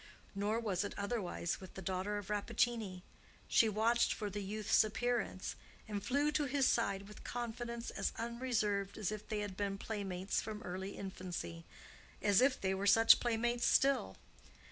Nor was it otherwise with the daughter of Rappaccini. She watched for the youth's appearance, and flew to his side with confidence as unreserved as if they had been playmates from early infancy—as if they were such playmates still.